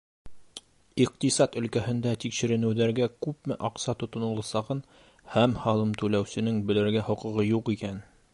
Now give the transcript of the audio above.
Иҡтисад өлкәһендә тикшеренеүҙәргә күпме аҡса тотоноласағын да һалым түләүсенең белергә хоҡуғы юҡ икән.